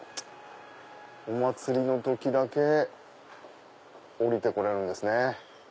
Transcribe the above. お祭りの時だけ下りてこられるんですね。